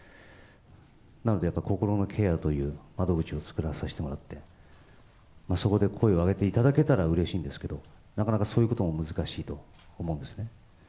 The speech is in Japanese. なので、やっぱ心のケアという窓口を作らさせてもらって、そこで声を上げていただけたらうれしいんですけど、なかなか、そういうことも難しいと思うんですね。